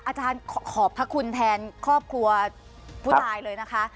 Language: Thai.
อาจารย์ขอบพระคุณแทนครอบครัวผู้ตายเลยนะคะ